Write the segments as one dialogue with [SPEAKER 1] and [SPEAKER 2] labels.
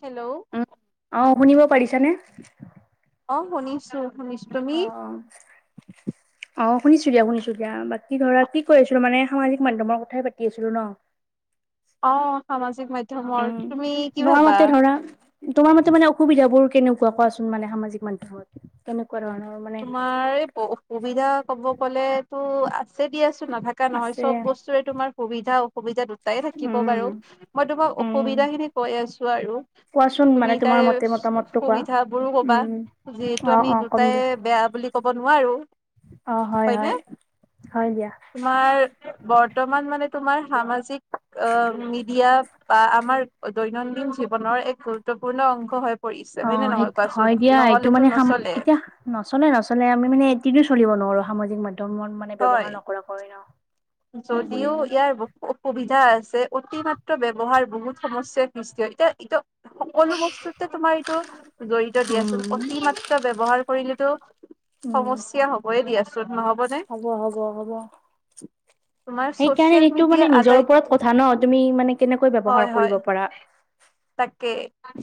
[SPEAKER 1] Hello
[SPEAKER 2] অ শুনিব পাৰিছানে?
[SPEAKER 1] অ শুনিছো। শুনিছো তুমি
[SPEAKER 2] অ, অ। অ শুনিছো দিয়া শুনিছো দিয়া বাকী ধৰা কি কয় আছিলো সামাজিক মাধ্যমৰ কথাই পাতি আছিলো ন?
[SPEAKER 1] অ সামাজিক মাধ্যম।
[SPEAKER 2] উম তোমাৰ মতে ধৰা তোমাৰ মতে মানে অসুবিধাবোৰ কেনেকুৱা কোৱাচোন মানে সামাজিক মাধ্যমত। কেনেকুৱা ধৰণৰ মানে?
[SPEAKER 1] তোমাৰ এই অসুবিধা ক'ব গলেতো আছে দিয়াচো নাথাকা নহয়
[SPEAKER 2] আছে
[SPEAKER 1] চব বস্তু টোৱে তোমাৰ সুবিধাও অসুবিধা দুটাই থাকিব বাৰু
[SPEAKER 2] উম,
[SPEAKER 1] মই তোমাক
[SPEAKER 2] উম।
[SPEAKER 1] অসুবিধা খিনি কৈ আছো আৰু।
[SPEAKER 2] কোৱাচোন মানে
[SPEAKER 1] তুমি
[SPEAKER 2] তোমাৰ
[SPEAKER 1] তাইৰ
[SPEAKER 2] মতে মতামতটো কোৱা।
[SPEAKER 1] সুবিধা বোৰো কবা
[SPEAKER 2] উম,
[SPEAKER 1] যিহেতু
[SPEAKER 2] অ'
[SPEAKER 1] আমি
[SPEAKER 2] অ' কম
[SPEAKER 1] দুটাই
[SPEAKER 2] দিয়া
[SPEAKER 1] বেয়া বুলি ক'ব নোৱাৰো।
[SPEAKER 2] অ, হয়
[SPEAKER 1] হয়নে
[SPEAKER 2] হয় হয় দিয়া।
[SPEAKER 1] তোমাৰ বৰ্তমান মানে তোমাৰ সামাজিক অ মিডিয়া বা আমাৰ দৈনন্দিন জীৱনৰ এক গুৰুত্বপূৰ্ণ অংশ হয়। পৰিছে
[SPEAKER 2] অ
[SPEAKER 1] নে নহয়
[SPEAKER 2] সেইটো
[SPEAKER 1] কোৱাচোন
[SPEAKER 2] হয় দিয়া এইটো
[SPEAKER 1] নহলেতো
[SPEAKER 2] মানে
[SPEAKER 1] নচলে
[SPEAKER 2] এতিয়া নচলে নচলে আমি মানে এদিনো চলিব নোৱাৰো সামাজিক মাধ্যমত মানে
[SPEAKER 1] হয়
[SPEAKER 2] ব্যৱহাৰ নকৰাকৈ ন।
[SPEAKER 1] যদিও
[SPEAKER 2] বঢ়িয়া।
[SPEAKER 1] ইয়াৰ বহুত অসুবিধা আছে অতি মাত্ৰ ব্যৱহাৰ বহুত সমস্যাই সমস্যা এতিয়া এতিয়া সকলো বস্তুতে তোমাৰ এইটো জড়িত দিয়াচোন
[SPEAKER 2] উম,
[SPEAKER 1] অতি মাত মাএ ব্যৱহাৰ কৰিলেটো
[SPEAKER 2] উম,
[SPEAKER 1] সমস্যা হ'বই দিয়া।
[SPEAKER 2] হ'ব হ'ব হ'ব।
[SPEAKER 1] তোমাৰ
[SPEAKER 2] সেইকাৰণে
[SPEAKER 1] ছচিয়েল
[SPEAKER 2] সেইটো
[SPEAKER 1] মিডিয়া
[SPEAKER 2] মানে নিজৰ
[SPEAKER 1] আটাইত
[SPEAKER 2] ওপৰত কথা ন তুমি মানে কেনেকৈ
[SPEAKER 1] হয়
[SPEAKER 2] ব্যৱহাৰ
[SPEAKER 1] হয়
[SPEAKER 2] কৰিব পাৰা।
[SPEAKER 1] তাকে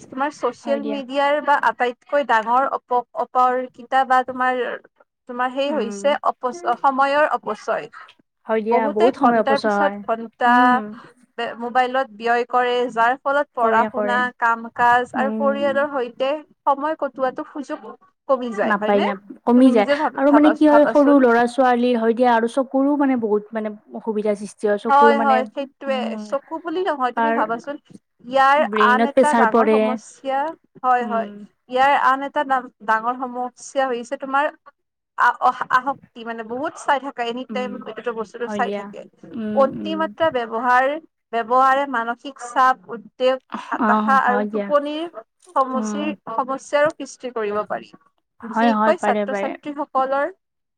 [SPEAKER 1] তোমাৰ
[SPEAKER 2] হয়
[SPEAKER 1] ছ'চিয়েল
[SPEAKER 2] দিয়া।
[SPEAKER 1] মিডিয়াৰ বা আটাইত - কৈ ডাঙৰ অপ অপৰ কেইটা বা তোমাৰ তোমাৰ সেই
[SPEAKER 2] উম,
[SPEAKER 1] হৈছে অপচয় সময়ৰ অপচয়।
[SPEAKER 2] হয় দিয়া
[SPEAKER 1] বহুতে
[SPEAKER 2] বহুত সময়
[SPEAKER 1] ঘন্টাৰ
[SPEAKER 2] অপচয় হয়।
[SPEAKER 1] পিছত ঘন্টা
[SPEAKER 2] উম,
[SPEAKER 1] মোবাইলত ব্যয় কৰে যাৰ ফলত পঢ়া
[SPEAKER 2] কৰে, কৰে।
[SPEAKER 1] শুনা কাম কাজ আৰু
[SPEAKER 2] উম,
[SPEAKER 1] পৰিয়ালৰ সৈতে সময় কটোৱাটো সুযোগ কমি যায়
[SPEAKER 2] নাপায়
[SPEAKER 1] হয়নে
[SPEAKER 2] নাপ কমি
[SPEAKER 1] তুমি
[SPEAKER 2] যায়
[SPEAKER 1] নিজে ভাব
[SPEAKER 2] আৰু মানে
[SPEAKER 1] ভাবা
[SPEAKER 2] কি হয় সৰু
[SPEAKER 1] ভাবাচোন
[SPEAKER 2] ল'ৰা ছোৱা ছোৱালী হয় দিয়া আৰু চকুৰো মানে বহুত মানে অসুবিধা সৃষ্টি চকুৰ
[SPEAKER 1] হয়
[SPEAKER 2] মানে
[SPEAKER 1] হয় সেইটোৱেয়ে
[SPEAKER 2] উম,
[SPEAKER 1] চকু বুলি নহয় তুমি
[SPEAKER 2] তাৰ
[SPEAKER 1] ভাবাচোন ইয়াৰ আন
[SPEAKER 2] ব্ৰেইনত
[SPEAKER 1] এ এটা
[SPEAKER 2] প্ৰেছাৰ
[SPEAKER 1] ডাঙৰ
[SPEAKER 2] পৰে
[SPEAKER 1] সমস্যা হয়, হয়।
[SPEAKER 2] উম,
[SPEAKER 1] ইয়াৰ আন এটা ডাঙৰ সমস্যা হৈছে তোমাৰ আ অহা আহশক্তি ই মানে বহুত চাই থাকা এনি টাইম
[SPEAKER 2] উম,
[SPEAKER 1] বস্তুটো
[SPEAKER 2] হয়
[SPEAKER 1] চাই
[SPEAKER 2] দিয়া।
[SPEAKER 1] থাকে।
[SPEAKER 2] উম, উম,
[SPEAKER 1] অতিমাত্ৰা ব্যৱহাৰ ব্যৱহাৰে মানসিক চাপ তেওঁক হতাশা
[SPEAKER 2] অ',
[SPEAKER 1] আৰু
[SPEAKER 2] হয় দিয়া।
[SPEAKER 1] টোপনিৰ
[SPEAKER 2] উম,
[SPEAKER 1] সমচিক সমস্যাৰো সৃষ্টি কৰিব পাৰি।
[SPEAKER 2] হয় হয়
[SPEAKER 1] বিশেষকৈ
[SPEAKER 2] পাৰে পাৰে
[SPEAKER 1] ছাত্ৰ-ছাত্ৰী সকলৰ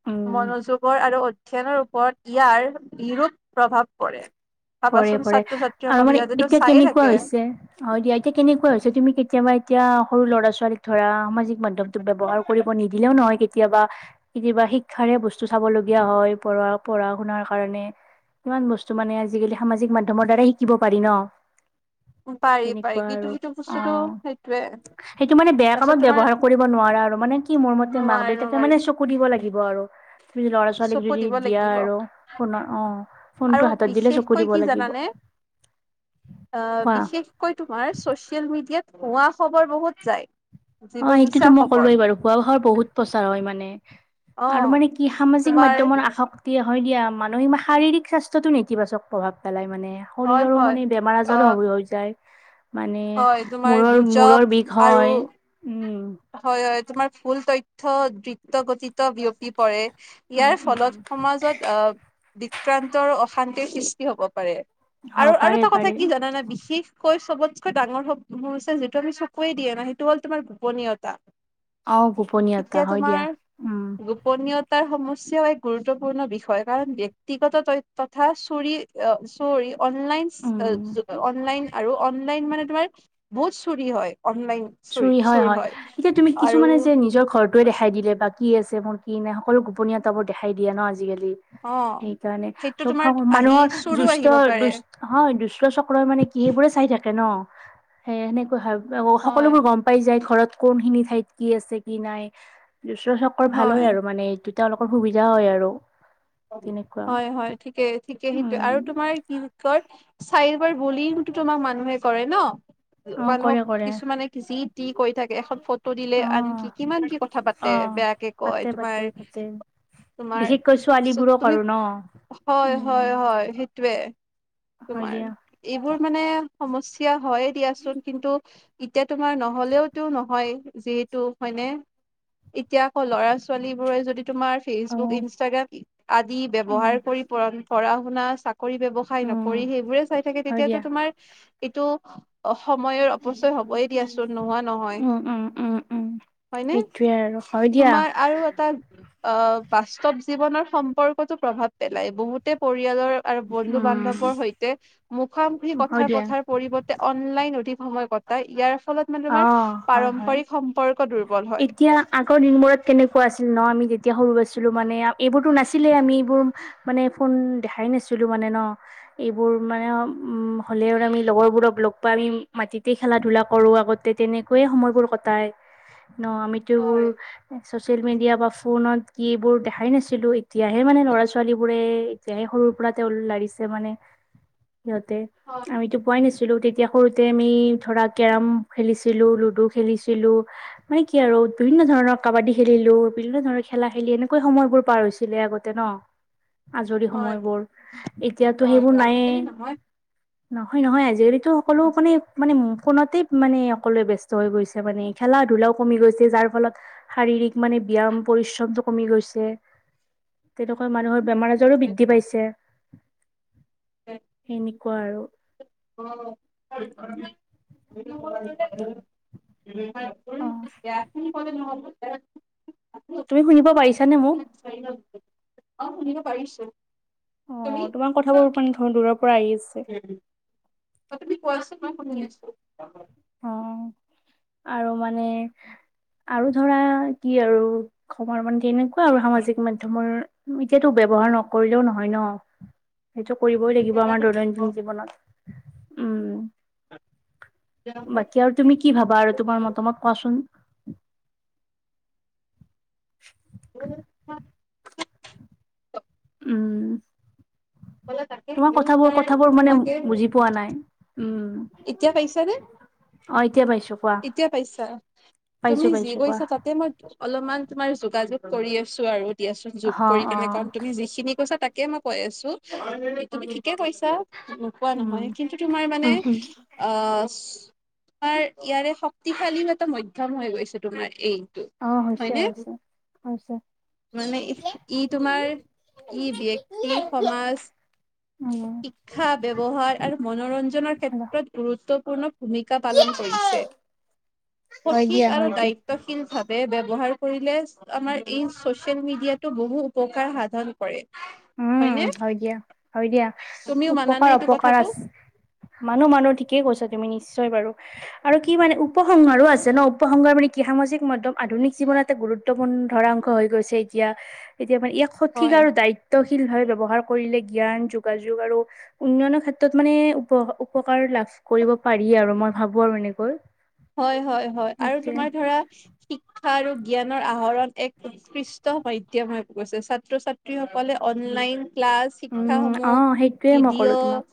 [SPEAKER 2] উম,
[SPEAKER 1] মনোযোগৰ আৰু পক্ষেপৰ ওপৰত ইয়াৰ বিৰোপ প্ৰভাৱ পৰে।
[SPEAKER 2] পৰে
[SPEAKER 1] ভাবাচোন
[SPEAKER 2] পৰে
[SPEAKER 1] ছাত্ৰ
[SPEAKER 2] আৰু
[SPEAKER 1] ছাত্ৰীসকল
[SPEAKER 2] মানে
[SPEAKER 1] সিহঁতেতো
[SPEAKER 2] এতিয়া
[SPEAKER 1] চায়ে
[SPEAKER 2] কেনেকুৱা
[SPEAKER 1] থাকে
[SPEAKER 2] হৈছে? অ দিয়া এতিয়া কেনেকুৱা হৈছে তুমি কেতিয়াবা এতিয়া সৰু ল'ৰা ছোৱালীক ধৰা [unintelligible] ব্যৱহাৰ কৰিব নিদিলেও নহয়। কেতিয়াবা কেতিয়াবা শিক্ষাৰে বস্তু চাব লগীয়া হয় পঢ়া পঢ়া শুনাৰ কাৰণে। কিমান বস্তু মানে আজিকালি সামাজিক মাধ্যমৰ দ্বাৰাই শিকিব পাৰি ন?
[SPEAKER 1] পাৰি পাৰি
[SPEAKER 2] তেনেকুৱা আৰু
[SPEAKER 1] কিন্তু সেইটো
[SPEAKER 2] অ
[SPEAKER 1] বস্তুটো সেইটোয়ে
[SPEAKER 2] সেইটো মানে বেয়া
[SPEAKER 1] তাৰপিছত
[SPEAKER 2] কামত
[SPEAKER 1] তোমাৰ
[SPEAKER 2] ব্যৱহাৰ কৰিব নোৱাৰা আৰু মানে কি মোৰ মতে মাক
[SPEAKER 1] নোৱাৰি
[SPEAKER 2] দেউতাকে
[SPEAKER 1] নোৱাৰি
[SPEAKER 2] মানে চকু দিব লাগিব আৰু। ফ্ৰিৰি ল'ৰা ছোৱালীক
[SPEAKER 1] চকু
[SPEAKER 2] যদি
[SPEAKER 1] দিব
[SPEAKER 2] দিয়া
[SPEAKER 1] লাগিব
[SPEAKER 2] আৰু ফোনৰ অ ফোনতটো হাতত দিলে চব।
[SPEAKER 1] কয় কি জানানে আহ
[SPEAKER 2] কোৱা
[SPEAKER 1] বিশেষ শেষকৈ তোমাৰ চচিয়েল মিডিয়াত ভোৱা খবৰ বহুত যায়
[SPEAKER 2] অ
[SPEAKER 1] যিবোৰ
[SPEAKER 2] সেইটোতো
[SPEAKER 1] মিছা
[SPEAKER 2] মই ক'লোৱেই
[SPEAKER 1] খবৰ
[SPEAKER 2] বাৰু ভুৱা ভাষাৰ বহুত প্ৰচাৰ হয় মানে
[SPEAKER 1] অ
[SPEAKER 2] আৰু মানে কি সামাজিক
[SPEAKER 1] তোমাৰ
[SPEAKER 2] মাধ্যমৰ আসক তিয়া হয় দিয়া মানুহে ই শাৰীৰিক স্বাস্থ্যটো নেতিবাচক প্ৰভাৱ পেলাই মানে
[SPEAKER 1] হয়
[SPEAKER 2] শৰীৰৰো
[SPEAKER 1] হয়
[SPEAKER 2] মানে বেমাৰ
[SPEAKER 1] অ
[SPEAKER 2] আজাৰো হ হৈ যায় মানে
[SPEAKER 1] হয় তোমাৰ
[SPEAKER 2] মূৰৰ
[SPEAKER 1] গুজব
[SPEAKER 2] মূৰৰ বিষ
[SPEAKER 1] আৰু
[SPEAKER 2] হয়
[SPEAKER 1] হয় হয় তোমাৰ ফুল তথ্য ত্ৰি ত্ৰ গঠিত বিয়পি পৰে
[SPEAKER 2] উম
[SPEAKER 1] ইয়াৰ
[SPEAKER 2] উম
[SPEAKER 1] ফলত সমাজত আহ বিক্ৰান্তৰ অ শান্তিৰ সৃষ্টি হ'ব পাৰে
[SPEAKER 2] হ
[SPEAKER 1] আৰু আৰু
[SPEAKER 2] পাৰে
[SPEAKER 1] এটা কথা
[SPEAKER 2] পাৰে
[SPEAKER 1] কি জানানা বিশেষ কৈ চবতকৈ ডাঙৰ সমস্যা হৈছে যিটো আমি চকুৱে দিয়া নাই সেইটো হ'ল তোমাৰ গোপনীয়তা
[SPEAKER 2] অ গোপনীয়তা
[SPEAKER 1] এতিয়া
[SPEAKER 2] হয় দিয়া
[SPEAKER 1] তোমাৰ
[SPEAKER 2] উম
[SPEAKER 1] গোপনীয়তাৰ সমস্যাও এক গুৰুত্বপূৰ্ণ বিষয় কাৰণ ব্যক্তিগত তথ তথা চোৰি অ চৰি অনলাইন
[SPEAKER 2] উম,
[SPEAKER 1] অনলাইন আৰু অন লাইন মানে তোমাৰ বহুত চুৰি হয় অনলাইন
[SPEAKER 2] চুৰি হয় হয় এতিয়া তুমি
[SPEAKER 1] আৰু
[SPEAKER 2] কিছুমানে যে নিজৰ ঘৰৰতোৱে দেখাই দিলে বা কি আছে মোৰ কি নাই সকলো গোপনীয়তাবোৰ দেখাই দিয়ে ন আজিকালি
[SPEAKER 1] অ
[SPEAKER 2] সেইকাৰণে
[SPEAKER 1] সেইটো
[SPEAKER 2] চব
[SPEAKER 1] তোমাৰ
[SPEAKER 2] সম
[SPEAKER 1] আহি
[SPEAKER 2] মানুহৰ
[SPEAKER 1] চোৰো
[SPEAKER 2] জুস্থ
[SPEAKER 1] আহিব পাৰে
[SPEAKER 2] দুচ হয় দুষ্ট চক্ৰই মানে কি সেইবোৰে চাই থাকে ন সেই সেনেকুৱা হয় অ
[SPEAKER 1] হয়
[SPEAKER 2] সকলোবোৰ গম পাই যায় ঘৰত কোন খিনিত ঠাইত কি আছে কি নাই দুষ্ট চকৰ ভাল হয় আৰু মানে এইটো তেওঁলোকৰ সুবিধা হয় আৰু তেনেকুৱা।
[SPEAKER 1] হয় হয় ঠিকে ঠিকে সেইটো
[SPEAKER 2] উম,
[SPEAKER 1] আৰু তোমাৰ কি কৰ চাইবাৰ বুলিয়ে তোমাক মানুহে কৰে ন
[SPEAKER 2] অ'
[SPEAKER 1] মানুহক
[SPEAKER 2] কৰে কৰে
[SPEAKER 1] কিছুমানে জি টি কৈ থাকে এখন ফটো দিলে আনকি
[SPEAKER 2] অ'
[SPEAKER 1] কিমান কি কথা পাতে বেয়াকে কয় তোমাৰ
[SPEAKER 2] তাকে
[SPEAKER 1] তোমাৰ চোপ তুমি
[SPEAKER 2] ন
[SPEAKER 1] হয়
[SPEAKER 2] উম।
[SPEAKER 1] হয় হয় সেইটোয়ে
[SPEAKER 2] হয়
[SPEAKER 1] তোমাৰ
[SPEAKER 2] দিয়া
[SPEAKER 1] এইবোৰ মানে সমস্যা হয়ে দিয়াচোন কিন্তু এতিয়া তোমাৰ নহ'লেওতো নহয় যিহেতু হয়নে এতিয়া আকৌ ল'ৰা ছোৱালী বোৰে যদি তোমাৰ
[SPEAKER 2] অ
[SPEAKER 1] ফেচবুক ইনষ্টাগ্ৰাম আদি
[SPEAKER 2] উম
[SPEAKER 1] ব্যৱহাৰ কৰি প পঢ়া শুনা চাকৰি ব্যৱসায় নক
[SPEAKER 2] উম
[SPEAKER 1] কৰি সেইবোৰে চাই থাকে
[SPEAKER 2] হয়
[SPEAKER 1] তেতিয়াটো
[SPEAKER 2] দিয়া
[SPEAKER 1] তোমাৰ এইটো অসময়ৰ অপচয় হবই দিয়াচোন নোহোৱা নহয়
[SPEAKER 2] উম উম উম উম
[SPEAKER 1] হয়নে
[SPEAKER 2] সেইটোৱে আৰু হয় দিয়া
[SPEAKER 1] তোমাৰ আৰু এটা অ বাস্তৱ জীৱনৰ সম্পৰ্কতো প্ৰভাৱ পেলাই বহুতে পৰিয়ালৰ আৰু বন্ধু বান্ধৱৰ
[SPEAKER 2] উম
[SPEAKER 1] সৈতে মুখামুখি
[SPEAKER 2] হয়
[SPEAKER 1] কথাৰ
[SPEAKER 2] দিয়া
[SPEAKER 1] পথাৰ পৰিবত তে অনলাইন অধিক সময় কটাই ফলত মানে
[SPEAKER 2] অ
[SPEAKER 1] তোমাৰ
[SPEAKER 2] হয় হয়
[SPEAKER 1] পাৰম্পৰিক সম্পৰ্ক দুৰ্বল হয়
[SPEAKER 2] এতিয়া আগৰ দিনবোৰত কেনেকুৱা আছিল ন আমি তেতিয়া সৰু আইছিলোঁ মানে এইবোৰতো নাছিলেই আমি এইবোৰ মানে ফোন দেখাই নাছিলোঁ মানে ন এইবোৰ মানে ওম হ'লেও আৰু আমি লগৰবোৰক লগ পাই আমি মাটিতেই খেলা ধূলা কৰোঁ আগত তে তেনেকৈয়ে সময়বোৰ কটাই ন আমিতবোৰ
[SPEAKER 1] হয়
[SPEAKER 2] এ চচিয়েল মিডিয়া বা ফোনত কি এইবোৰ দেখাই নাছিলো এতিয়াহে মানে ল'ৰা - ছোৱালীবোৰে তিয়া সৰুৰ পৰা তেওঁ লাৰিছে মানে সিহঁতে
[SPEAKER 1] হয়
[SPEAKER 2] আমিতো পোৱাই নাছিলোঁ তেত তিয়া সৰুতে আমি ধৰা কেৰম খেলিছিলোঁ, লুডু খেলিছিলোঁ মানে কি আৰু বিভিন্ন ধৰণৰ কাবাডী খেলিলো, বিভিন্ন ধৰণৰ খেলা খেলি এনেকৈ সময়বোৰ পাৰ হৈছিলে আগতে ন। [inaudible] আজৰি
[SPEAKER 1] হয়
[SPEAKER 2] সময়বোৰ এতিয়াতো
[SPEAKER 1] অ',
[SPEAKER 2] সেইবোৰ নাইয়ে
[SPEAKER 1] আজিকালি নহয়।
[SPEAKER 2] নহয় নহয় আজৰিতো সকলো
[SPEAKER 1] অ',
[SPEAKER 2] মানে মানে ফোনতে মানে সকলোৱে ব্যস্ত হৈ গৈছে মানে খেলা - ধূলা কমি গৈছে যাৰ ফলত শাৰীৰিক মানে ব্যায়াম পৰিশ্ৰমটো কমি গৈছে। তেনেকুৱা মানুহৰ বেমাৰ আজাৰো বৃদ্ধি পাইছে এনেকুৱা আৰু।
[SPEAKER 1] [unintelligible] [unintelligible]
[SPEAKER 2] অ
[SPEAKER 1] সি কলে নহ'ব [unintelligible]
[SPEAKER 2] তুমি শুনিব পাৰিছানে মোক?
[SPEAKER 1] [unintelligible] অ শুনিব পাৰিছো। তুমি?
[SPEAKER 2] অ তোমাৰ কথাবোৰ মানে ধৰ দূৰৰ পৰা আহি আছে।
[SPEAKER 1] উম, অ তুমি কোৱাচোন মই শুনি আছোঁ। [unintelligible]
[SPEAKER 2] অ। আৰু মানে আৰু ধৰা কি আৰু খবৰ [unintelligible] অ আৰু সামাজিক মাধ্যমৰ এতিয়াতো ব্যৱহাৰ নকৰিলেও নহয় ন। সেইটো কৰিবই লাগিব আমাৰ দৈনন্দিন জীৱনত উম।
[SPEAKER 1] [unintelligible]
[SPEAKER 2] বাকী আৰু তুমি কি ভাবা আৰু তোমাৰ মতামত কোৱাচোন?
[SPEAKER 1] [unintelligible]
[SPEAKER 2] উম। তোমাৰ কথাবোৰ কথাবোৰ মানে বুজি পোৱা নাই উম।
[SPEAKER 1] এতিয়া পাইছানে?
[SPEAKER 2] অঁ এতিয়া পাইছোঁ।
[SPEAKER 1] এতিয়া পাইছা, তুমি যি
[SPEAKER 2] পাইছো কোৱা
[SPEAKER 1] কৈছা তাতে মই অলপমান তোমাৰ যোগাযোগ কৰি আছো আৰু দিয়াচোন যোগ
[SPEAKER 2] অ
[SPEAKER 1] কৰি
[SPEAKER 2] অ
[SPEAKER 1] কেনে কাৰণ তুমি যিখিনি কৈছা তাক কে মই কৈ আছো তুমি ঠিকে কৈছা নোকোৱা
[SPEAKER 2] উম
[SPEAKER 1] নহয় কিন্তু তোমাৰ মানে
[SPEAKER 2] উম উম
[SPEAKER 1] অ চ তোমাৰ ইয়াৰে শক্তিশালী এটা মাধ্যম হৈ গৈছে তোমাৰ এই।
[SPEAKER 2] অ হৈছে হৈছে হৈছে।
[SPEAKER 1] মানে ইহ ই তোমাৰ ই ব্যক্তি সমাজ
[SPEAKER 2] উম
[SPEAKER 1] শিক্ষা ব্যৱহাৰ আৰু মনোৰঞ্জনৰ ক্ষেত্ৰত গুৰুত্বপূৰ্ণ ভূমিকা পালন ক হৈছে
[SPEAKER 2] হয় দিয়া
[SPEAKER 1] সঠিক আৰু
[SPEAKER 2] হয় দিয়া
[SPEAKER 1] দায়ি ত্বশিলভাৱে ব্যৱহাৰ কৰিলে আমাৰ এই চচিয়েল মিডিয়াটো বহু উপকাৰ সাধন কৰে।
[SPEAKER 2] উম
[SPEAKER 1] হয়নে
[SPEAKER 2] হয় দিয়া, হয় দিয়া
[SPEAKER 1] তুমিও মানানে
[SPEAKER 2] উপকাৰ
[SPEAKER 1] এইটো
[SPEAKER 2] অপকাৰ
[SPEAKER 1] কথাটো
[SPEAKER 2] আছ মানুহ মানুহ ঠিকেই কৈছা তুমি নিশ্চয় বাৰু। আৰু কি মানে উপসংহাৰো আছে ন, উপসংহাৰ মানে কি সামাজিক মাধ্যম আধুনিক জীৱনত এটা গুৰুত ত্বপূৰ্ণ ধৰাংশ হৈ গৈছে এতিয়া এতিয়া মানে ইয়াক সঠিক
[SPEAKER 1] হয়
[SPEAKER 2] আৰু দায়ি ত্বশীলভাৱে ব্যৱহাৰ কৰিলে জ্ঞান, যোগাযোগ আৰু উন্নয়নৰ ক্ষেত্ৰত মানে উপ উপকাৰ লাভ কৰিব পাৰি আৰু মই ভাবো আৰু এনেকৈ।
[SPEAKER 1] হয় হয় হয় আৰু
[SPEAKER 2] সেইটোৱে
[SPEAKER 1] তোমাৰ ধৰা শিক্ষা আৰু জ্ঞানৰ আহৰণ এক সৃষ্ট মাধ্যম হৈ গৈছে ছাত্ৰ - ছাত্ৰীসকলে অনলাইন ক্লাছ শিক্ষা
[SPEAKER 2] উম
[SPEAKER 1] সমূহ
[SPEAKER 2] অ সেইটোয়ে মই ক'লো তোমাক
[SPEAKER 1] ভিডিঅ'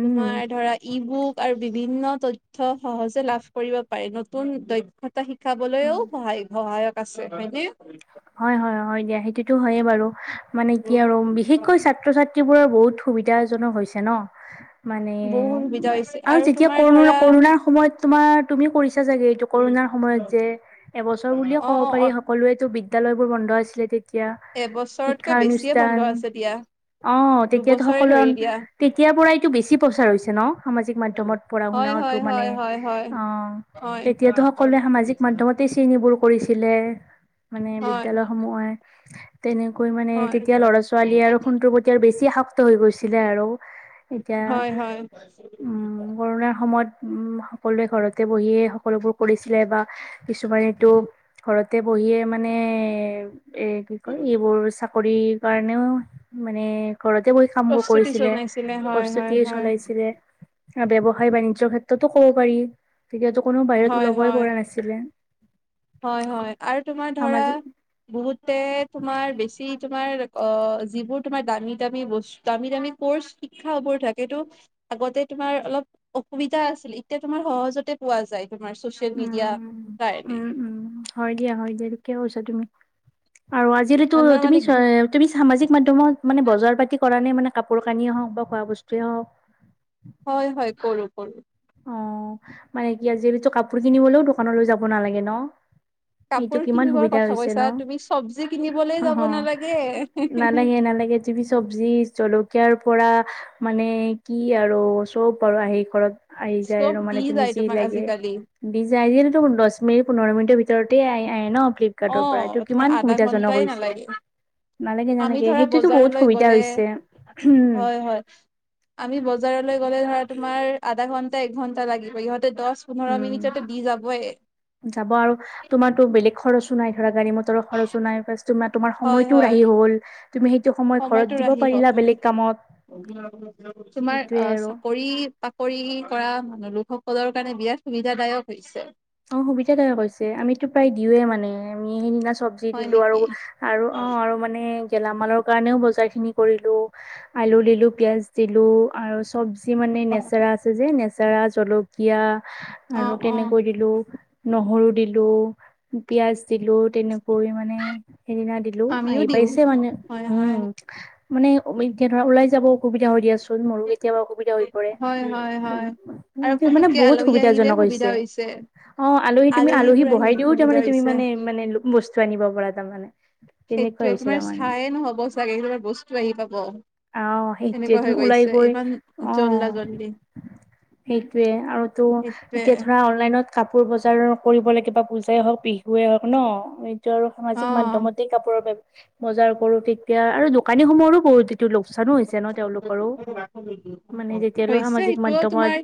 [SPEAKER 2] উম
[SPEAKER 1] তোমাৰ ধৰা ই বুক আৰু বিভিন্ন তথ্য সহজে লাভ কৰিব পাৰি নতুন দক্ষতা শ খাবলৈও সহায় সহায়ক আছে হয় নে?
[SPEAKER 2] হয় হয় হয় দিয়া সেইটোতো হয়ে বাৰু মানে কি আৰু বিশেষকৈ ছাত্ৰ-ছাত্ৰী বোৰৰ বহুত সুবিধাজনক হৈছে ন। মানে
[SPEAKER 1] বহুত সুবিধা হৈছে
[SPEAKER 2] আৰু যেতিয়া
[SPEAKER 1] তোমাৰ
[SPEAKER 2] কৰোণা
[SPEAKER 1] ধৰা
[SPEAKER 2] কৰোণাৰ সময়ত তোমাৰ তুমি কৰিছা চাগে এইটো। কৰোণাৰ সময়ত যে এবছৰ বুলিয়ে
[SPEAKER 1] অ
[SPEAKER 2] ক'ব
[SPEAKER 1] অ
[SPEAKER 2] পাৰি সকলোৱেতো বিদ্যালয় বোৰ বন্ধ আছিলে তে এতিয়া
[SPEAKER 1] এবছৰতকৈ বেছিয়ে বন্ধ
[SPEAKER 2] শিক্ষানুষ্ঠান
[SPEAKER 1] আছে দিয়া
[SPEAKER 2] অ তেতিয়াতো
[SPEAKER 1] দুবছৰে
[SPEAKER 2] সকলো
[SPEAKER 1] ধৰি দিয়া
[SPEAKER 2] তেতিয়াৰ পৰাই এইটো বেছি প্ৰচাৰ হৈছে ন সামাজিক মাধ্যমত পঢ়া
[SPEAKER 1] হয়
[SPEAKER 2] শুনাতো
[SPEAKER 1] হয়
[SPEAKER 2] মানে
[SPEAKER 1] হয় হয় হয়
[SPEAKER 2] অ
[SPEAKER 1] হয়
[SPEAKER 2] তেতিয়াতো সকলোৱে সামাজিক মাধ্যমতে তেনেবোৰ কৰিছিলে। মানে
[SPEAKER 1] হয়
[SPEAKER 2] বিদ্যালয় সমূহৰ তেনেকৈ মানে
[SPEAKER 1] হয়
[SPEAKER 2] তেতিয়া ল'ৰা ছোৱালীয়ে আৰু ফোনটোৰ প্ৰতি বেছি আসক্ত হৈ গৈছিলে আৰু এতিয়া।
[SPEAKER 1] হয় হয়
[SPEAKER 2] উম কৰোণাৰ সময়ত উম সকলোৱে ঘৰতে বহিয়ে সকলোবোৰ কৰিছিলে বা কিছুমানটো ঘৰতে বহিয়ে মানে এ কি কয় এইবোৰ চাকৰি কাৰণেও মানে ঘৰতে বহি কামবোৰ
[SPEAKER 1] প্ৰস্তুতি
[SPEAKER 2] কৰিছিলে
[SPEAKER 1] জনাইছিলে হয় হয়
[SPEAKER 2] প্ৰস্তুতি
[SPEAKER 1] হয়
[SPEAKER 2] চলাইছিলে। ব্যৱসায় বানিজ্যৰ ক্ষেত্ৰতো ক'ব পাৰি তেতিয়াটো কোনো বাহিৰত
[SPEAKER 1] হয়
[SPEAKER 2] ওলাবই
[SPEAKER 1] হয়
[SPEAKER 2] পৰা নাছিলে।
[SPEAKER 1] হয় হয় আৰু তোমাৰ ধৰা
[SPEAKER 2] সামাজিক
[SPEAKER 1] বহুতে তোমাৰ বেছি তোমাৰ অ যিবোৰ তোমাৰ দামী দামী বস্তু দামী দামী কৰ্চ শিক্ষাবোৰ থাকেতো আগতে তোমাৰ অলপ অসুবিধা আছিল এতিয়া তোমাৰ সহজতে পোৱা যায়। তোমাৰ চচিয়েল
[SPEAKER 2] উম
[SPEAKER 1] মিডিয়াৰ কাৰণে।
[SPEAKER 2] উম উম হয় দিয়া হয় দিয়া ঠিকে কৈছা তুমি আৰু আজি কালিটো
[SPEAKER 1] মানুহৰ
[SPEAKER 2] তুমি
[SPEAKER 1] মানে
[SPEAKER 2] চ তুমি সামাজিক মাধ্যমত মানে বজাৰ পাতি কৰা নে মানে কাপোৰ কানিয়েই হওক বা খোৱা বস্তুৱেই হওক?
[SPEAKER 1] হয় হয় কৰোঁ কৰোঁ।
[SPEAKER 2] অ মানে কি আজি কালিটো কাপোৰ কিনিবলৈও দোকানলৈ যাব নালাগে ন। এইটো
[SPEAKER 1] কাপোৰ
[SPEAKER 2] কিমান
[SPEAKER 1] কিনিবৰ
[SPEAKER 2] সুবিধা
[SPEAKER 1] কথা
[SPEAKER 2] হৈছে
[SPEAKER 1] কৈছা
[SPEAKER 2] ন
[SPEAKER 1] তুমি চব্জি কিনিবলৈ
[SPEAKER 2] অ
[SPEAKER 1] যাব নালাগে
[SPEAKER 2] নালাগে নালাগে। চব্জি জলকীয়াৰ পৰা মানে কি আৰু চব আৰু আহেই ঘৰত আহি যায়
[SPEAKER 1] চব
[SPEAKER 2] আৰু
[SPEAKER 1] দি
[SPEAKER 2] মানে তুমি
[SPEAKER 1] যায়
[SPEAKER 2] যি
[SPEAKER 1] তোমাক
[SPEAKER 2] লাগে।
[SPEAKER 1] আজিকালি
[SPEAKER 2] আজি কালিটো দহ মিনিট পোন্ধৰ মিনিটৰ ভিতৰতে আহে ন ফ্লিপ
[SPEAKER 1] অ
[SPEAKER 2] কাৰ্ডৰ পৰা এইটো
[SPEAKER 1] তোমাৰ
[SPEAKER 2] কিমান
[SPEAKER 1] আধা
[SPEAKER 2] সুবিধাজনক
[SPEAKER 1] ঘন্টাই
[SPEAKER 2] হৈছে।
[SPEAKER 1] নালাগে
[SPEAKER 2] নালোগে
[SPEAKER 1] আমি
[SPEAKER 2] নালাগে
[SPEAKER 1] ধৰা
[SPEAKER 2] সেইটোতো বহুত
[SPEAKER 1] বজাৰলৈ
[SPEAKER 2] সুবিধা
[SPEAKER 1] গ'লে
[SPEAKER 2] হৈছে উম।
[SPEAKER 1] হয় হয় আমি বজাৰলৈ গ'লে ধৰা তোমাৰ আধা ঘণ্টা এক ঘণ্টা লাগিব ইহঁতে দহ পোন্ধৰ
[SPEAKER 2] উম
[SPEAKER 1] মিনিটতে দি যাবই।
[SPEAKER 2] যাব আৰু তোমাৰতো বেলেগ খৰচো নাই ধৰা গাড়ী মটৰ ধৰক খৰচ নাই তোমাৰ
[SPEAKER 1] হয়
[SPEAKER 2] সময়টোও
[SPEAKER 1] হয়
[SPEAKER 2] আহি হ'ল তুমি সেইটো সময়
[SPEAKER 1] সময়টো
[SPEAKER 2] ঘৰত দিব
[SPEAKER 1] ৰাহি হ'ল
[SPEAKER 2] পাৰিলা বেলেগ কামত।
[SPEAKER 1] তোমাৰ
[SPEAKER 2] সেইটোয়ে
[SPEAKER 1] অ
[SPEAKER 2] আৰু
[SPEAKER 1] চাকৰিৰ চাকৰি কৰা লোকসকলৰ কাৰণে বিৰাট সুবিধাদায়ক হৈছে।
[SPEAKER 2] অ সুবিধাদায়ক হৈছে আমিতো প্ৰায় দিওঁয়ে মানে আমি সেইদিনা চব চব্জি
[SPEAKER 1] হয়
[SPEAKER 2] দিলো আৰু
[SPEAKER 1] নেকি
[SPEAKER 2] আৰু অ মানে। গেলামালৰ কাৰণেও বজাৰখিনি কৰিলোঁ আলু দিলো পিয়াঁজ দিলো আৰু চব্জি মানে নেচেৰা আছে যে নেচেৰা জলকীয়া
[SPEAKER 1] অ
[SPEAKER 2] আৰু
[SPEAKER 1] অ
[SPEAKER 2] তেনেকৈ দি লো নহৰু দিলোঁ পিয়াঁজ দিলোঁ। তেনেকৈ মানে, সেইদিনা দিলোঁ,
[SPEAKER 1] আমিও
[SPEAKER 2] আহি
[SPEAKER 1] দিওঁ
[SPEAKER 2] পাইছে মানে।
[SPEAKER 1] হয় হয়
[SPEAKER 2] উম! মানে, এতিয়া ধৰা, ওলাই যাব অসুবিধা হৈ দিয়াচোন! মোৰো কেতিয়াবা অসু সুবিধা হৈ পৰে।
[SPEAKER 1] হয় হয়
[SPEAKER 2] উম,
[SPEAKER 1] হয়
[SPEAKER 2] উম, এতিয়া মানে, বহুত সুবিধাজনক হৈছে।
[SPEAKER 1] ছে।
[SPEAKER 2] অ'! আলহী তুমি, আলহী বহাই দিওঁ, তাৰমানে তুমি
[SPEAKER 1] হৈছে
[SPEAKER 2] মানে, মানে বস্তু আনিব পাৰা তাৰমানে। তেনেকুৱা
[SPEAKER 1] সেইটোৱে!
[SPEAKER 2] হৈছে
[SPEAKER 1] তোমাৰ
[SPEAKER 2] তাৰমানে
[SPEAKER 1] চাইয়ে নহ'ব চাগে! তোমাৰ বস্তু আহি পাব।
[SPEAKER 2] অ সেইটোৱে
[SPEAKER 1] এনেকুৱা
[SPEAKER 2] তুমি
[SPEAKER 1] হৈ
[SPEAKER 2] ওলাই
[SPEAKER 1] গৈছে।
[SPEAKER 2] গৈ
[SPEAKER 1] ইমান, জল্দা-জল্দি।
[SPEAKER 2] সেইটোৱে, আৰুতো এতিয়া ধৰা, অনলাইনত কাপোৰ বজাৰ কৰিব লাগিব। পূজাই হওঁক, বিহুৱে হওঁক ন'? [unintelligible] আৰু
[SPEAKER 1] অ
[SPEAKER 2] সামাজিক মাধ্যমতেই কাপোৰৰ [unintelligible] বজাৰ কৰোঁ। তেতিয়া আৰু দোকানীসমূহৰো বহুত টো লোকচানো হৈছে ন'! তেওঁলোকৰো। মানে, যেতিয়ালৈ
[SPEAKER 1] হৈছে
[SPEAKER 2] সামাজিক
[SPEAKER 1] সেইটোও
[SPEAKER 2] মাধ্যমত,
[SPEAKER 1] তোমাৰ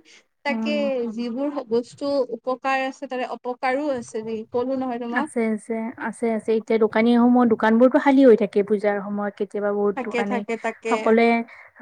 [SPEAKER 1] তাকে
[SPEAKER 2] উম।
[SPEAKER 1] যিবোৰ বস্তু উপকাৰ আছে, তাৰে অপকাৰো আছে, ঢেই।
[SPEAKER 2] আছে-আছে, আছে-আছে। এতিয়া, দোকানী সমূহত, দোকান বোৰতো খালী হৈ থাকে, পুজাৰ সময়ত। কে কেতিয়াবা বহুত
[SPEAKER 1] থাকে
[SPEAKER 2] দোকানী,
[SPEAKER 1] থাকে তাকে
[SPEAKER 2] সকলোৱে